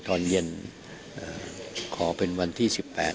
ตอนเย็นขอเป็นวันที่๑๘